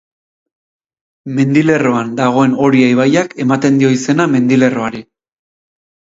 Mendilerroan dagoen Oria ibaiak ematen dio izena mendilerroari.